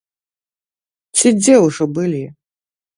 Ці дзе ўжо былі?